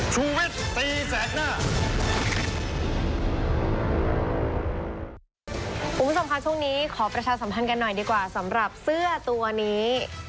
คุณผู้ชมคะช่วงนี้ขอประชาสัมพันธ์กันหน่อยดีกว่าสำหรับเสื้อตัวนี้